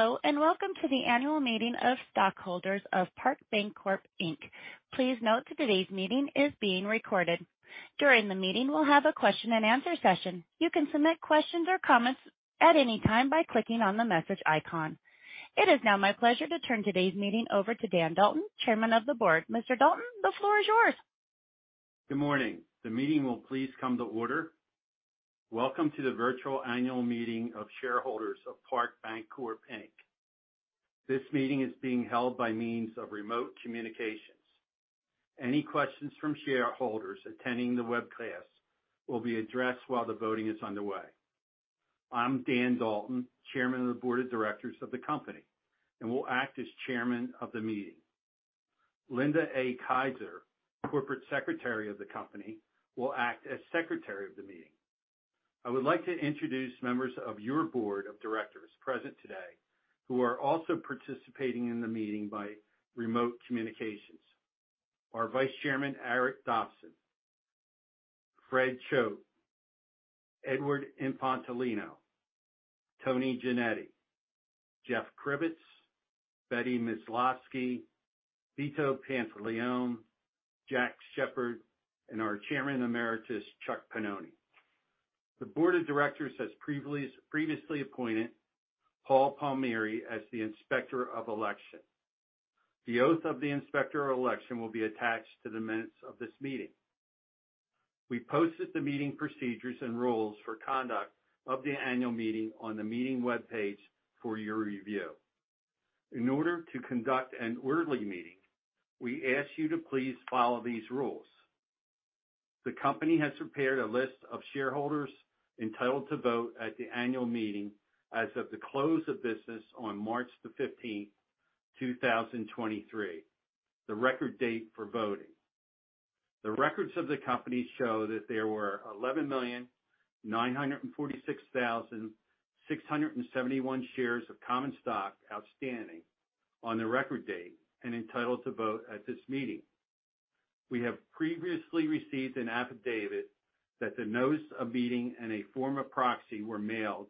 Hello, and welcome to the annual meeting of stockholders of Parke Bancorp Inc. Please note that today's meeting is being recorded. During the meeting, we'll have a question and answer session. You can submit questions or comments at any time by clicking on the message icon. It is now my pleasure to turn today's meeting over to Dan Dalton, chairman of the board. Mr. Dalton, the floor is yours. Good morning. The meeting will please come to order. Welcome to the virtual annual meeting of shareholders of Parke Bancorp, Inc. This meeting is being held by means of remote communications. Any questions from shareholders attending the webcast will be addressed while the voting is underway. I'm Dan Dalton, Chairman of the Board of Directors of the company, and will act as chairman of the meeting. Linda A. Kaiser, Corporate Secretary of the company, will act as secretary of the meeting. I would like to introduce members of your Board of Directors present today, who are also participating in the meeting by remote communications. Our Vice Chairman, Arret Dobson, Fred Choate, Edward Infantolino, Tony Jannetti, Jeff Kripitz, Betty Myslavski, Vito Pantilione, Jack Sheppard, and our Chairman Emeritus, Chuck Pennoni. The Board of Directors has previously appointed Paul Palmieri as the Inspector of Election. The oath of the inspector of election will be attached to the minutes of this meeting. We posted the meeting procedures and rules for conduct of the annual meeting on the meeting webpage for your review. In order to conduct an orderly meeting, we ask you to please follow these rules. The company has prepared a list of shareholders entitled to vote at the annual meeting as of the close of business on March 15th, 2023, the record date for voting. The records of the company show that there were 11,946,671 shares of common stock outstanding on the record date and entitled to vote at this meeting. We have previously received an affidavit that the notice of meeting and a form of proxy were mailed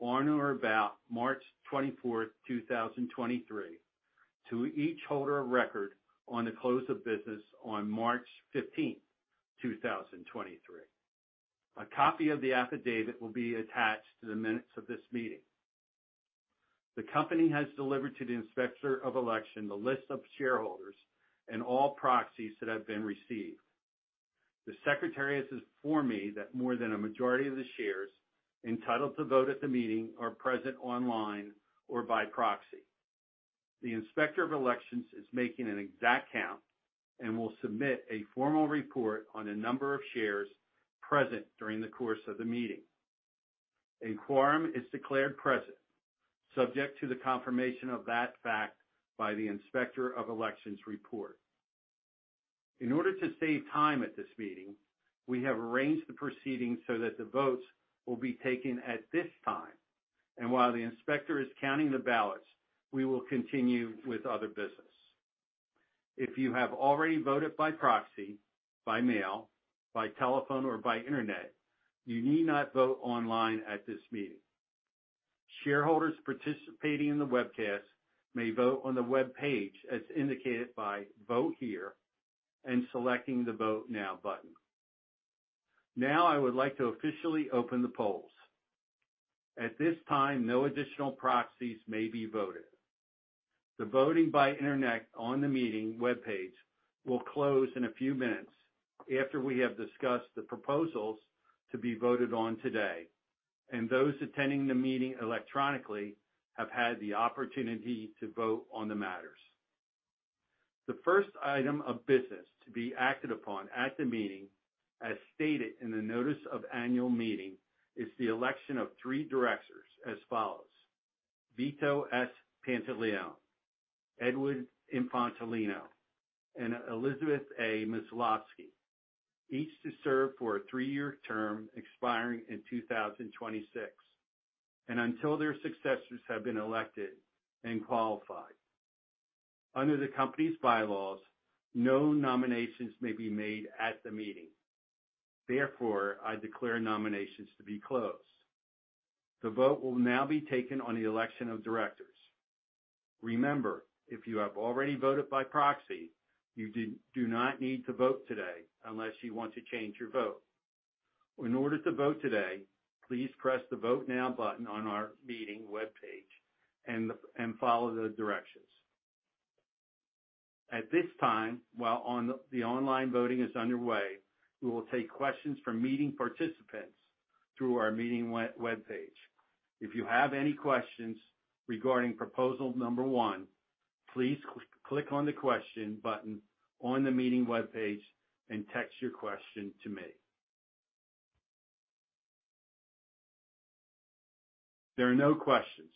on or about March 24th, 2023 to each holder of record on the close of business on March 15th, 2023. A copy of the affidavit will be attached to the minutes of this meeting. The company has delivered to the inspector of election the list of shareholders and all proxies that have been received. The secretary has informed me that more than a majority of the shares entitled to vote at the meeting are present online or by proxy. The inspector of elections is making an exact count and will submit a formal report on the number of shares present during the course of the meeting. A quorum is declared present, subject to the confirmation of that fact by the inspector of elections report. In order to save time at this meeting, we have arranged the proceedings so that the votes will be taken at this time. While the inspector is counting the ballots, we will continue with other business. If you have already voted by proxy, by mail, by telephone, or by internet, you need not vote online at this meeting. Shareholders participating in the webcast may vote on the webpage as indicated by Vote Here and selecting the Vote Now button. I would like to officially open the polls. At this time, no additional proxies may be voted. The voting by internet on the meeting webpage will close in a few minutes after we have discussed the proposals to be voted on today, and those attending the meeting electronically have had the opportunity to vote on the matters. The first item of business to be acted upon at the meeting, as stated in the notice of annual meeting, is the election of three directors as follows: Vito S. Pantilione, Edward Infantolino, and Elizabeth A. Milavsky, each to serve for a three-year term expiring in 2026 and until their successors have been elected and qualified. Under the company's bylaws, no nominations may be made at the meeting. Therefore, I declare nominations to be closed. The vote will now be taken on the election of directors. Remember, if you have already voted by proxy, you do not need to vote today unless you want to change your vote. In order to vote today, please press the Vote Now button on our meeting webpage and follow the directions. At this time, while the online voting is underway, we will take questions from meeting participants through our meeting webpage. If you have any questions regarding proposal number one, please click on the question button on the meeting webpage and text your question to me. There are no questions.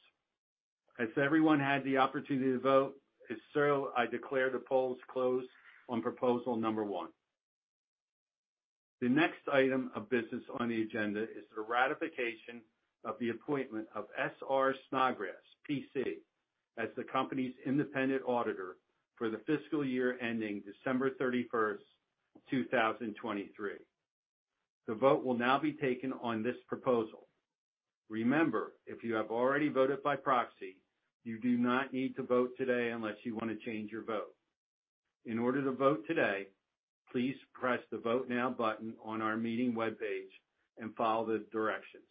Has everyone had the opportunity to vote? If so, I declare the polls closed on proposal number one. The next item of business on the agenda is the ratification of the appointment of S.R. Snodgrass, P.C. as the company's independent auditor for the fiscal year ending December 31st, 2023. The vote will now be taken on this proposal. Remember, if you have already voted by proxy, you do not need to vote today unless you want to change your vote. In order to vote today, please press the Vote Now button on our meeting webpage and follow the directions.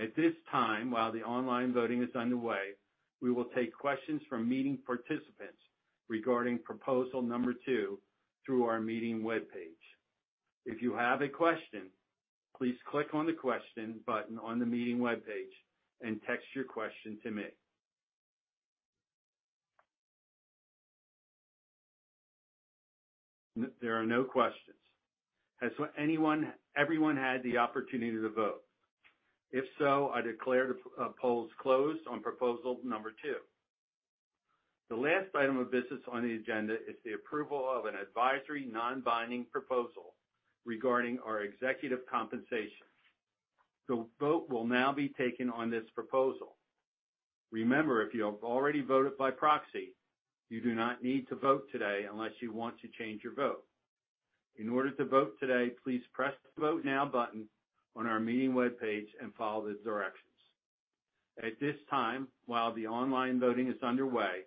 At this time, while the online voting is underway, we will take questions from meeting participants regarding proposal number two through our meeting webpage. If you have a question, please click on the question button on the meeting webpage and text your question to me. There are no questions. Has everyone had the opportunity to vote? If so, I declare the polls closed on proposal number two. The last item of business on the agenda is the approval of an advisory non-binding proposal regarding our executive compensation. The vote will now be taken on this proposal. Remember, if you have already voted by proxy, you do not need to vote today unless you want to change your vote. In order to vote today, please press the Vote Now button on our meeting webpage and follow the directions. At this time, while the online voting is underway,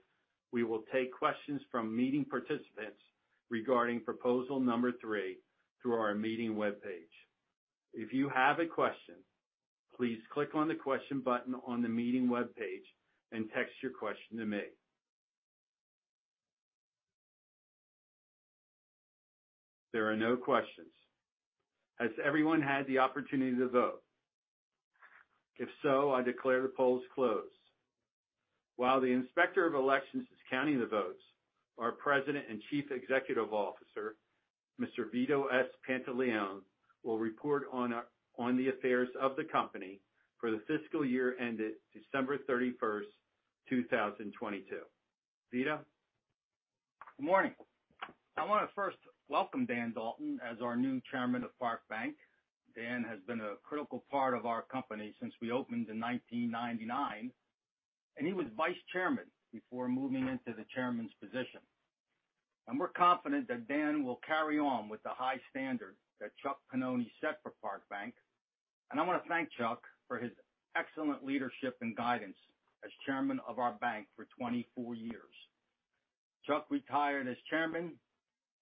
we will take questions from meeting participants regarding proposal number three through our meeting webpage. If you have a question, please click on the question button on the meeting webpage and text your question to me. There are no questions. Has everyone had the opportunity to vote? If so, I declare the polls closed. While the Inspector of Elections is counting the votes, our President and Chief Executive Officer, Mr. Vito S. Pantilione, will report on the affairs of the company for the fiscal year ended December 31st, 2022. Vito. Good morning. I wanna first welcome Dan Dalton as our new Chairman of Parke Bank. Dan has been a critical part of our company since we opened in 1999, and he was Vice Chairman before moving into the Chairman's position. We're confident that Dan will carry on with the high standard that Chuck Pennoni set for Parke Bank. I wanna thank Chuck for his excellent leadership and guidance as Chairman of our bank for 24 years. Chuck retired as Chairman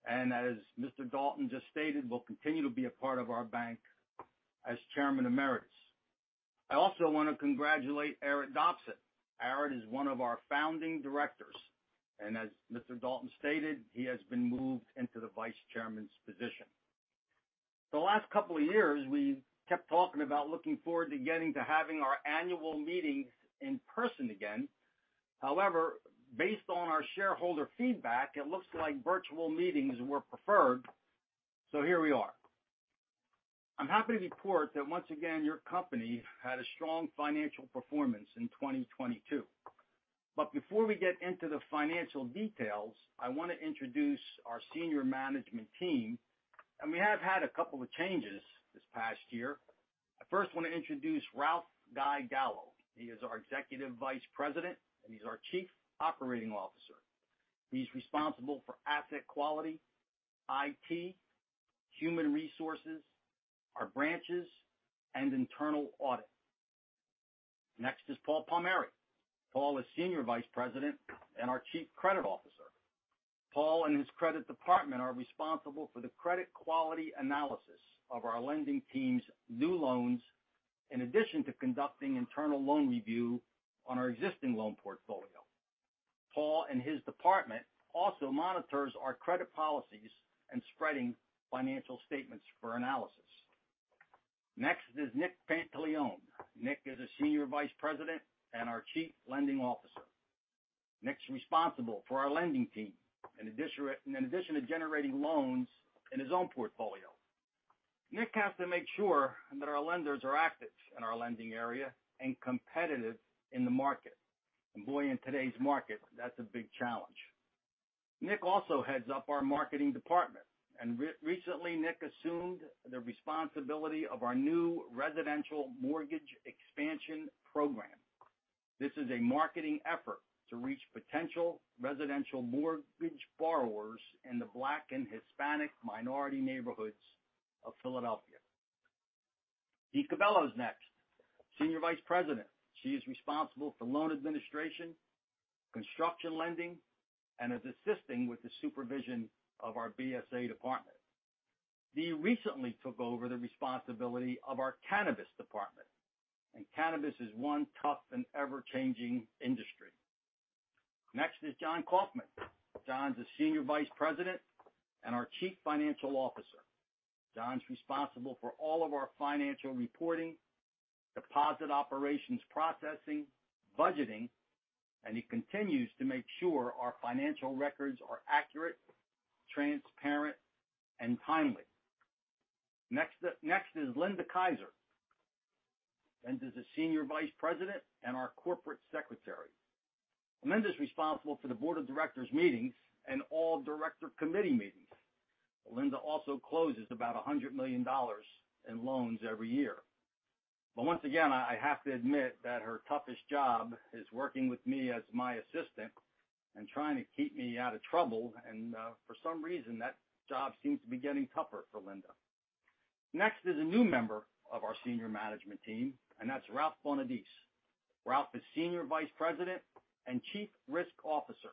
and as Mr. Dalton just stated, will continue to be a part of our bank as Chairman Emeritus. I also wanna congratulate Arret Dobson. Arret is one of our founding directors, and as Mr. Dalton stated, he has been moved into the Vice Chairman's position. The last couple of years, we kept talking about looking forward to getting to having our annual meetings in person again. Based on our shareholder feedback, it looks like virtual meetings were preferred, so here we are. I'm happy to report that once again, your company had a strong financial performance in 2022. Before we get into the financial details, I wanna introduce our senior management team, and we have had a couple of changes this past year. I first wanna introduce Ralph Gallo. He is our Executive Vice President and he's our Chief Operating Officer. He's responsible for asset quality, IT, human resources, our branches, and internal audit. Next is Paul Palmieri. Paul is Senior Vice President and our Chief Credit Officer. Paul and his credit department are responsible for the credit quality analysis of our lending team's new loans, in addition to conducting internal loan review on our existing loan portfolio. Paul and his department also monitors our credit policies and spreading financial statements for analysis. Next is Nick Pantilione. Nick is a Senior Vice President and our Chief Lending Officer. Nick's responsible for our lending team, in addition to generating loans in his own portfolio. Nick has to make sure that our lenders are active in our lending area and competitive in the market. Boy, in today's market, that's a big challenge. Nick also heads up our marketing department, recently, Nick assumed the responsibility of our new residential mortgage expansion program. This is a marketing effort to reach potential residential mortgage borrowers in the Black and Hispanic minority neighborhoods of Philadelphia. Dee Cavello is next. Senior Vice President. She is responsible for loan administration, construction lending, and is assisting with the supervision of our BSA department. Dee recently took over the responsibility of our cannabis department, cannabis is one tough and ever-changing industry. Next is John Kaufman. John's a Senior Vice President and our Chief Financial Officer. John's responsible for all of our financial reporting, deposit operations processing, budgeting, and he continues to make sure our financial records are accurate, transparent, and timely. Next is Linda Kaiser. Linda's a Senior Vice President and our Corporate Secretary. Linda's responsible for the board of directors meetings and all director committee meetings. Linda also closes about $100 million in loans every year. Once again, I have to admit that her toughest job is working with me as my assistant and trying to keep me out of trouble. For some reason, that job seems to be getting tougher for Linda. Next is a new member of our senior management team, and that's Ralph Bonadies. Ralph is Senior Vice President and Chief Risk Officer.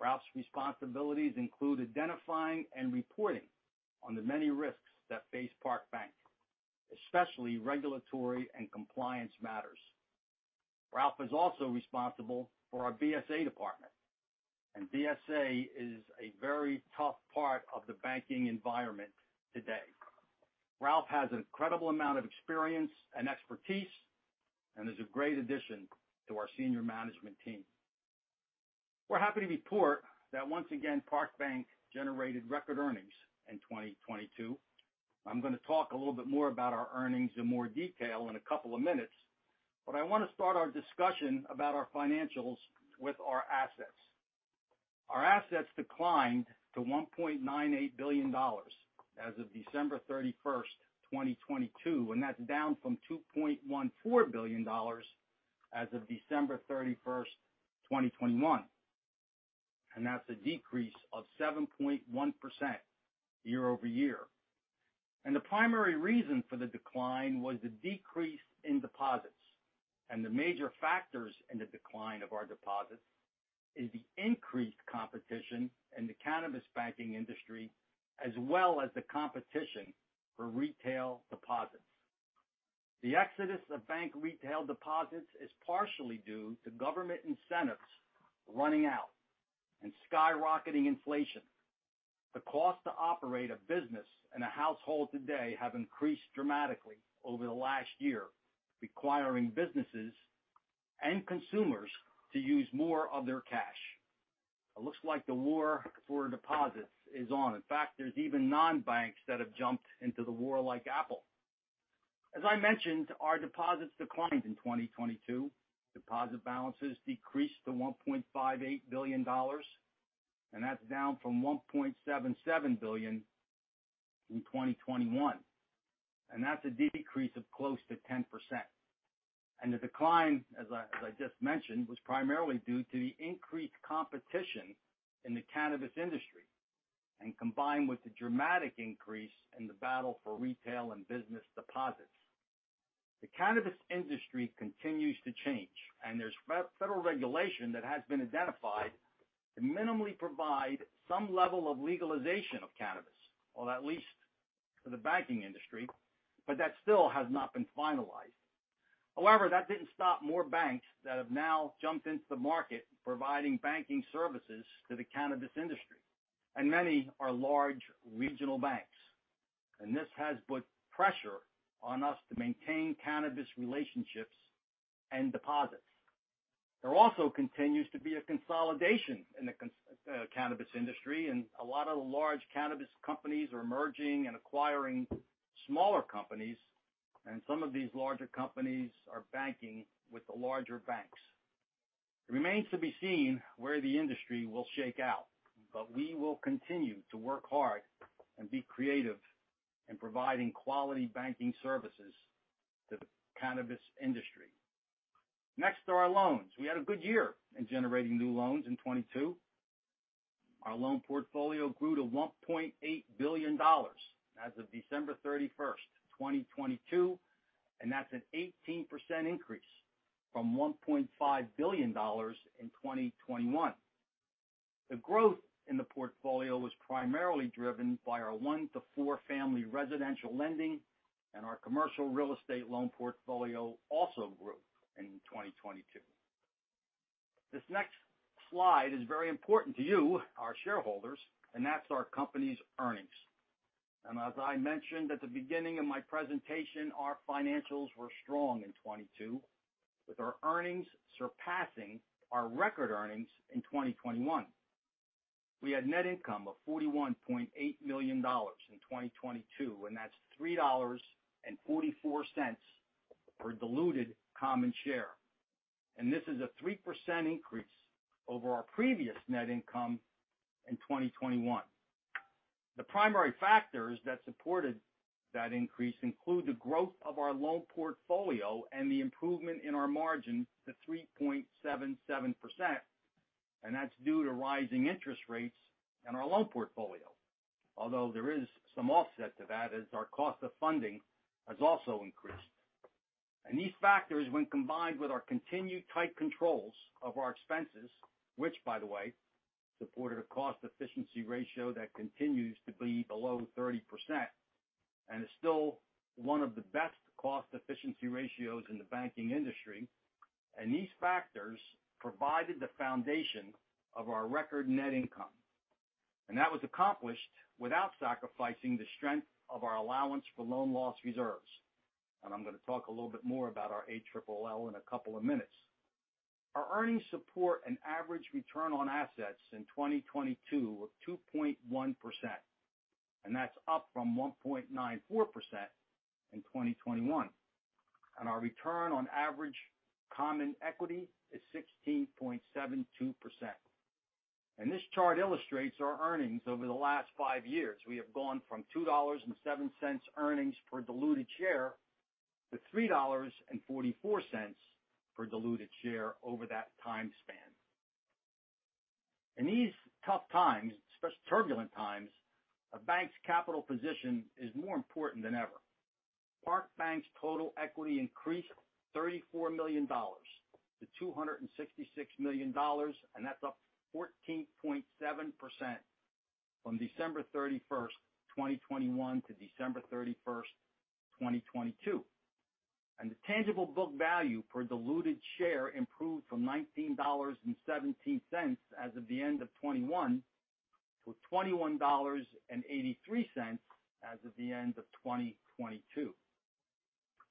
Ralph's responsibilities include identifying and reporting on the many risks that face Parke Bank, especially regulatory and compliance matters. BSA is a very tough part of the banking environment today. Ralph is also responsible for our BSA department. Ralph has an incredible amount of experience and expertise and is a great addition to our senior management team. We're happy to report that, once again, Parke Bank generated record earnings in 2022. I'm gonna talk a little bit more about our earnings in more detail in a couple of minutes, but I wanna start our discussion about our financials with our assets. Our assets declined to $1.98 billion as of December 31, 2022. That's down from $2.14 billion as of December 31, 2021. That's a decrease of 7.1% year-over-year. The primary reason for the decline was the decrease in deposits. The major factors in the decline of our deposits is the increased competition in the cannabis banking industry, as well as the competition for retail deposits. The exodus of bank retail deposits is partially due to government incentives running out and skyrocketing inflation. The cost to operate a business and a household today have increased dramatically over the last year, requiring businesses and consumers to use more of their cash. It looks like the war for deposits is on. In fact, there's even non-banks that have jumped into the war like Apple. As I mentioned, our deposits declined in 2022. Deposit balances decreased to $1.58 billion, that's down from $1.77 billion in 2021. That's a decrease of close to 10%. The decline, as I just mentioned, was primarily due to the increased competition in the cannabis industry, and combined with the dramatic increase in the battle for retail and business deposits. The cannabis industry continues to change, and there's federal regulation that has been identified to minimally provide some level of legalization of cannabis or at least for the banking industry, but that still has not been finalized. However, that didn't stop more banks that have now jumped into the market providing banking services to the cannabis industry, and many are large regional banks. This has put pressure on us to maintain cannabis relationships and deposits. There also continues to be a consolidation in the cannabis industry, and a lot of the large cannabis companies are merging and acquiring smaller companies, and some of these larger companies are banking with the larger banks. It remains to be seen where the industry will shake out, but we will continue to work hard and be creative in providing quality banking services to the cannabis industry. Next are our loans. We had a good year in generating new loans in 2022. Our loan portfolio grew to $1.8 billion as of December 31st, 2022. That's an 18% increase from $1.5 billion in 2021. The growth in the portfolio was primarily driven by our one-four family residential lending and our commercial real estate loan portfolio also grew in 2022. This next slide is very important to you, our shareholders. That's our company's earnings. As I mentioned at the beginning of my presentation, our financials were strong in 2022, with our earnings surpassing our record earnings in 2021. We had net income of $41.8 million in 2022, and that's $3.44 per diluted common share. This is a 3% increase over our previous net income in 2021. The primary factors that supported that increase include the growth of our loan portfolio and the improvement in our margin to 3.77%, and that's due to rising interest rates in our loan portfolio. Although there is some offset to that, as our cost of funding has also increased. These factors, when combined with our continued tight controls of our expenses, which by the way, supported a cost efficiency ratio that continues to be below 30% and is still one of the best cost efficiency ratios in the banking industry. These factors provided the foundation of our record net income, and that was accomplished without sacrificing the strength of our allowance for loan loss reserves. I'm gonna talk a little bit more about our ALLL in a couple of minutes. Our earnings support an average return on assets in 2022 of 2.1%, and that's up from 1.94% in 2021. Our return on average common equity is 16.72%. This chart illustrates our earnings over the last five years. We have gone from $2.07 earnings per diluted share to $3.44 per diluted share over that time span. In these tough times, turbulent times, a bank's capital position is more important than ever. Parke Bank's total equity increased $34 million to $266 million. That's up 14.7% from December 31, 2021 to December 31, 2022. The tangible book value per diluted share improved from $19.17 as of the end of 2021 to $21.83 as of the end of 2022.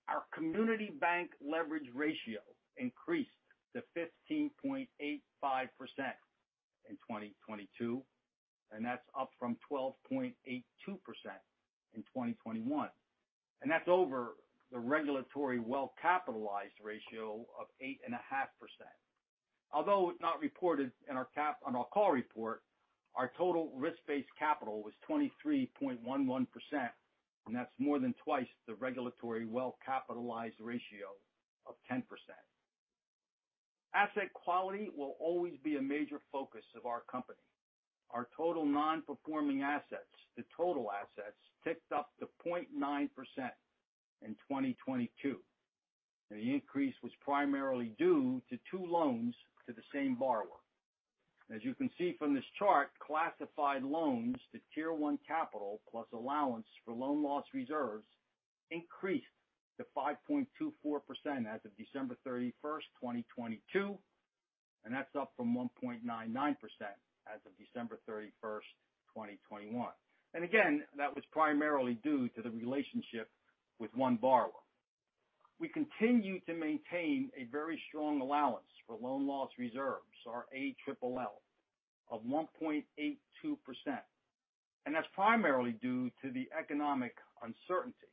Our Community Bank Leverage Ratio increased to 15.85% in 2022. That's up from 12.82% in 2021. That's over the regulatory well-capitalized ratio of 8.5%. Although it's not reported in our cap-on our call report, our total risk-based capital was 23.11%. That's more than twice the regulatory well-capitalized ratio of 10%. Asset quality will always be a major focus of our company. Our total non-performing assets to total assets ticked up to 0.9% in 2022. The increase was primarily due to two loans to the same borrower. As you can see from this chart, classified loans to tier one capital plus allowance for loan loss reserves increased to 5.24% as of December 31, 2022, and that's up from 1.99% as of December 31, 2021. Again, that was primarily due to the relationship with 1 borrower. We continue to maintain a very strong allowance for loan loss reserves, our ALLL, of 1.82%, and that's primarily due to the economic uncertainty.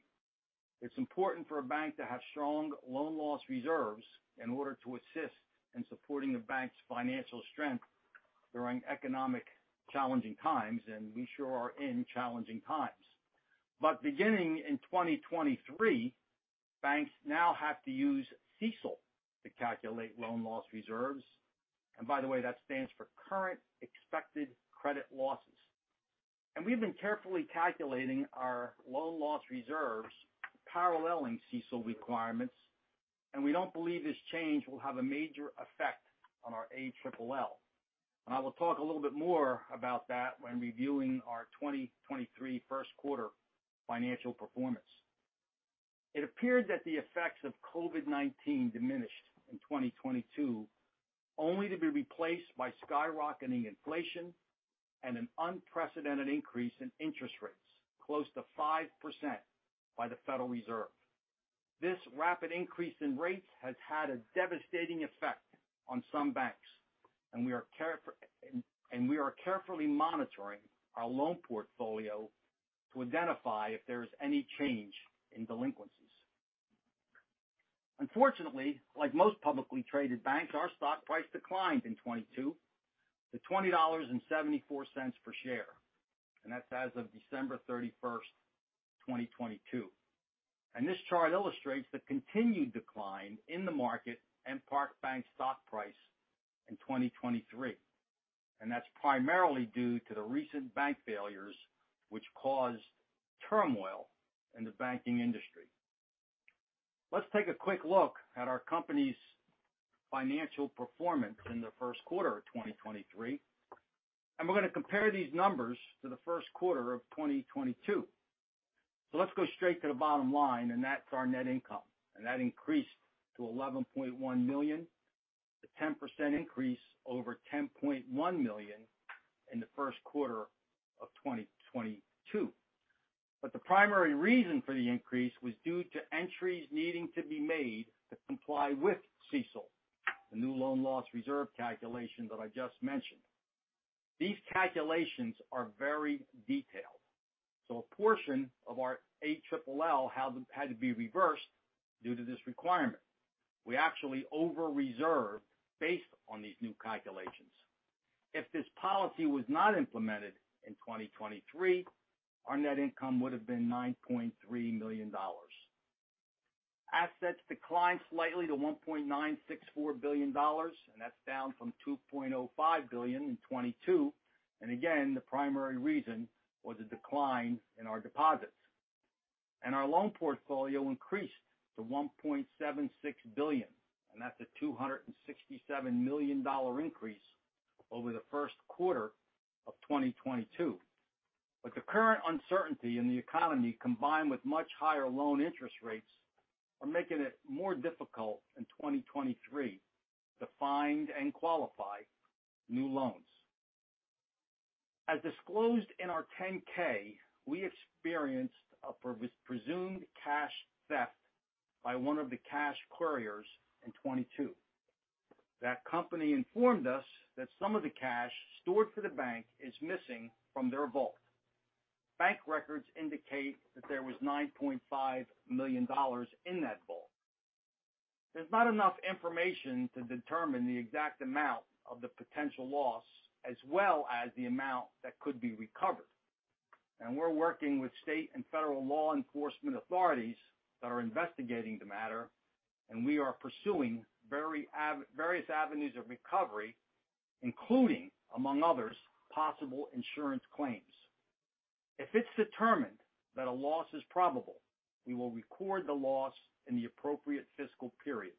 It's important for a bank to have strong loan loss reserves in order to assist in supporting the bank's financial strength during economic challenging times, and we sure are in challenging times. Beginning in 2023, banks now have to use CECL to calculate loan loss reserves. By the way, that stands for Current Expected Credit Losses. We've been carefully calculating our loan loss reserves paralleling CECL requirements, and we don't believe this change will have a major effect on our ALLL. I will talk a little bit more about that when reviewing our 2023 first quarter financial performance. It appeared that the effects of COVID-19 diminished in 2022, only to be replaced by skyrocketing inflation and an unprecedented increase in interest rates, close to 5% by the Federal Reserve. This rapid increase in rates has had a devastating effect on some banks, and we are carefully monitoring our loan portfolio to identify if there is any change in delinquencies. Unfortunately, like most publicly traded banks, our stock price declined in 2022 to $20.74 per share, that's as of December 31st, 2022. This chart illustrates the continued decline in the market and Parke Bank stock price in 2023. That's primarily due to the recent bank failures which caused turmoil in the banking industry. Let's take a quick look at our company's financial performance in the first quarter of 2023, we're gonna compare these numbers to the first quarter of 2022. Let's go straight to the bottom line, that's our net income. That increased to $11.1 million. A 10% increase over $10.1 million in the first quarter of 2022. The primary reason for the increase was due to entries needing to be made to comply with CECL, the new loan loss reserve calculation that I just mentioned. These calculations are very detailed, so a portion of our ALLL had to be reversed due to this requirement. We actually over-reserved based on these new calculations. If this policy was not implemented in 2023, our net income would have been $9.3 million. Assets declined slightly to $1.964 billion, and that's down from $2.05 billion in 2022. And again, the primary reason was a decline in our deposits. And our loan portfolio increased to $1.76 billion, and that's a $267 million increase over the first quarter of 2022. The current uncertainty in the economy, combined with much higher loan interest rates, are making it more difficult in 2023 to find and qualify new loans. As disclosed in our 10-K, we experienced a presumed cash theft by one of the cash couriers in 2022. That company informed us that some of the cash stored for the bank is missing from their vault. Bank records indicate that there was $9.5 million in that vault. There's not enough information to determine the exact amount of the potential loss as well as the amount that could be recovered. We're working with state and federal law enforcement authorities that are investigating the matter, and we are pursuing various avenues of recovery, including, among others, possible insurance claims. If it's determined that a loss is probable, we will record the loss in the appropriate fiscal period.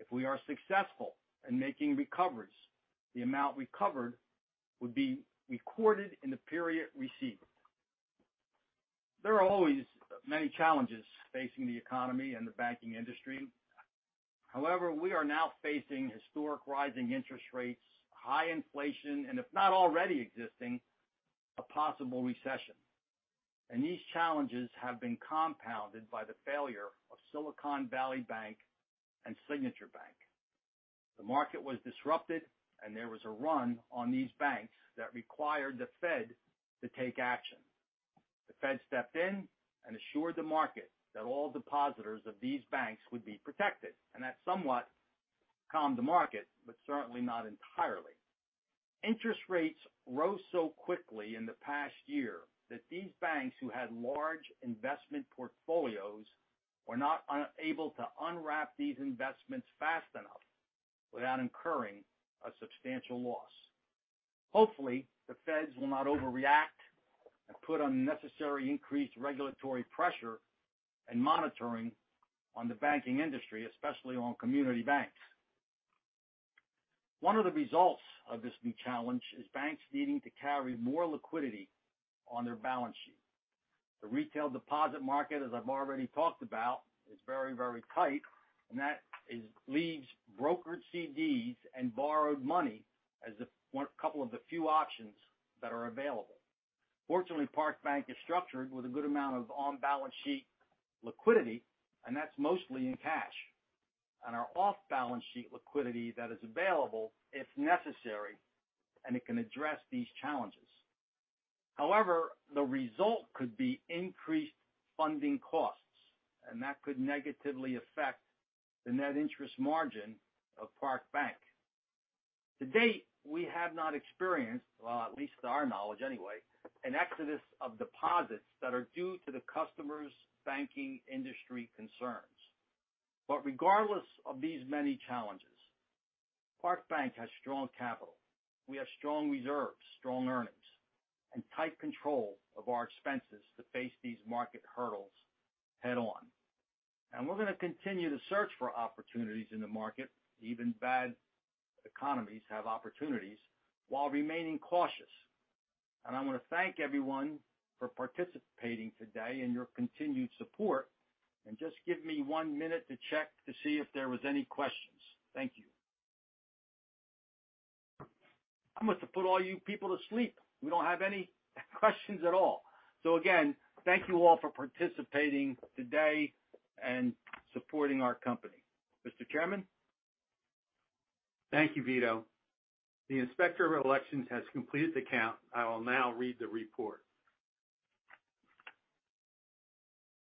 If we are successful in making recoveries, the amount recovered would be recorded in the period received. There are always many challenges facing the economy and the banking industry. However, we are now facing historic rising interest rates, high inflation, and if not already existing, a possible recession. These challenges have been compounded by the failure of Silicon Valley Bank and Signature Bank. The market was disrupted and there was a run on these banks that required the Fed to take action. The Fed stepped in and assured the market that all depositors of these banks would be protected, and that somewhat calmed the market, but certainly not entirely. Interest rates rose so quickly in the past year that these banks who had large investment portfolios were not unable to unwrap these investments fast enough without incurring a substantial loss. Hopefully, the Feds will not overreact and put unnecessary increased regulatory pressure and monitoring on the banking industry, especially on community banks. One of the results of this new challenge is banks needing to carry more liquidity on their balance sheet. The retail deposit market, as I've already talked about, is very, very tight, and that leaves brokered CDs and borrowed money as a couple of the few options that are available. Fortunately, Parke Bank is structured with a good amount of on-balance sheet liquidity, and that's mostly in cash. Our off-balance sheet liquidity that is available if necessary, and it can address these challenges. However, the result could be increased funding costs, and that could negatively affect the net interest margin of Parke Bank. To date, we have not experienced, well, at least to our knowledge anyway, an exodus of deposits that are due to the customer's banking industry concerns. Regardless of these many challenges, Parke Bank has strong capital. We have strong reserves, strong earnings, and tight control of our expenses to face these market hurdles head on. We're gonna continue to search for opportunities in the market. Even bad economies have opportunities while remaining cautious. I wanna thank everyone for participating today and your continued support, and just give me one minute to check to see if there was any questions? Thank you. I must have put all you people to sleep. We don't have any questions at all. Again, thank you all for participating today and supporting our company. Mr. Chairman? Thank you, Vito. The inspector of elections has completed the count. I will now read the report.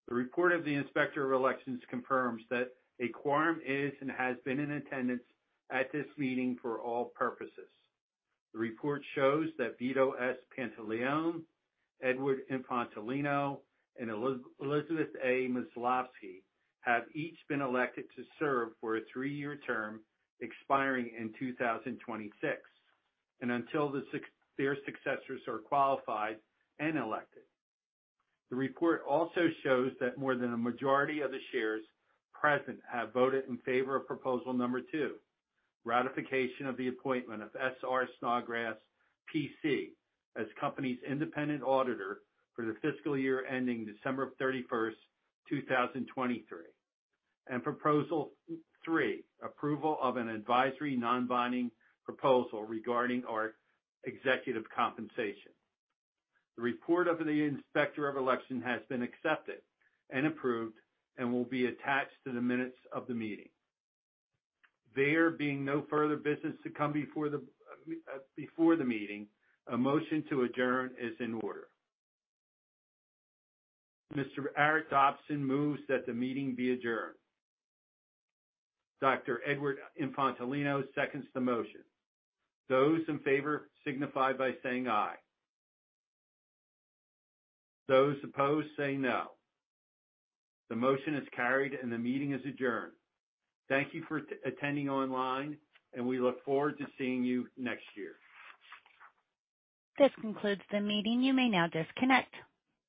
The report of the inspector of elections confirms that a quorum is and has been in attendance at this meeting for all purposes. The report shows that Vito S. Pantilione, Edward Infantolino, and Elizabeth A. Milavsky have each been elected to serve for a three-year term expiring in 2026, and until their successors are qualified and elected. The report also shows that more than a majority of the shares present have voted in favor of proposal number two, ratification of the appointment of S.R. Snodgrass, P.C. as company's independent auditor for the fiscal year ending December 31st, 2023. Proposal three, approval of an advisory non-binding proposal regarding our executive compensation. The report of the inspector of election has been accepted and approved and will be attached to the minutes of the meeting. There being no further business to come before the before the meeting, a motion to adjourn is in order. Mr. Arret F. Dobson moves that the meeting be adjourned. Dr. Edward Infantolino seconds the motion. Those in favor signify by saying aye. Those opposed say no. The motion is carried and the meeting is adjourned. Thank you for attending online, and we look forward to seeing you next year. This concludes the meeting. You may now disconnect.